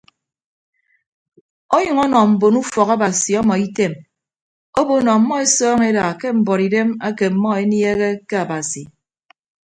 Ọnyʌñ ọnọ mbon ufọk abasi ọmọ item obo nọ ọmmọ esọọñọ eda ke mbuọtidem ake ọmmọ eniehe ke abasi.